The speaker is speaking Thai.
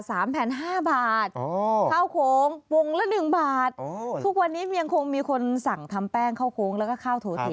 ส่วนข้าวโท